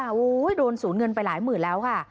โอ้โหโดนสูญเงินไปหลายหมื่นแล้วค่ะ